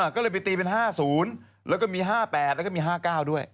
ก็เลยไปตีเป็น๕๐แล้วก็มี๕๘แล้วก็มี๕๙ด้วย